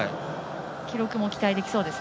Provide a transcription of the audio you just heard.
記録も期待できそうです。